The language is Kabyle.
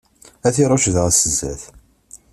Ad t-iṛucc daɣen si zdat.